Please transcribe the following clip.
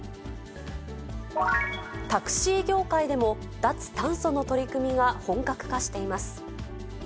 タクシー業界でも、脱炭素の取り組みが本格化しています。